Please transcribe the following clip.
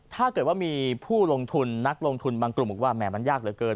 ถ้าเกิดว่ามีผู้ลงทุนนักลงทุนบางกลุ่มบอกว่าแหม่มันยากเหลือเกิน